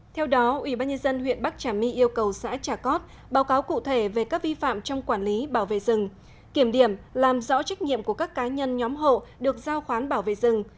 theo đó ubnd huyện bắc trà my yêu cầu xã trà cót báo cáo cụ thể về các vi phạm trong quản lý bảo vệ rừng kiểm điểm làm rõ trách nhiệm của các cá nhân nhóm hộ được giao khoán bảo vệ rừng